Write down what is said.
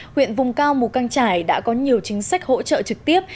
huyện vùng cao mù căng trải đã có nhiều chính sách hỗ trợ trực tiếp